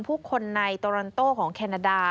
ผู้คนในโตรันโต้ของแคนาดา